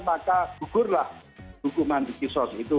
maka gugurlah hukuman kisos itu